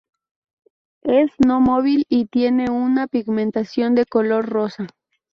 Es no móvil, y tiene una pigmentación de color rosa.